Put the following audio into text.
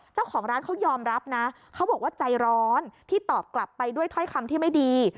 เจ้าของร้านเขายอมรับนะเขาบอกว่าใจร้อนที่ตอบกลับไปด้วยถ้อยคำที่ไม่ดี